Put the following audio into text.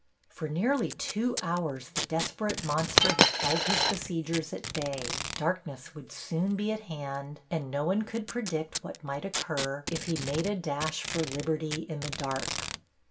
For nearly two hours the desperate monster had held his besiegers at bay, darkness would soon be at hand and no one could predict what might occur if he made a dash for liberty in the dark.